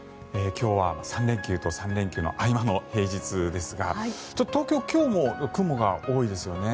今日は３連休と３連休の合間の平日ですがちょっと東京今日も雲が多いですよね。